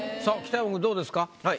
さあ北山君どうですか？